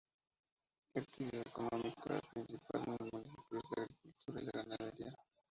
La actividad económica principal en el municipio es la agricultura y la ganadería.